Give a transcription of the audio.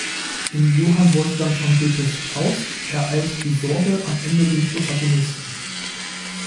In Johann Wolfgang von Goethes "Faust" ereilt „die Sorge“ am Ende den Protagonisten.